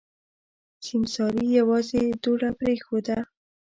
سيمسارې يوازې دوړه پرېښوده.